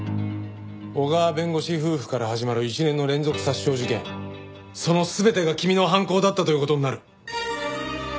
小川弁護士夫婦から始まる一連の連続殺傷事件その全てが君の犯行だったという事になる。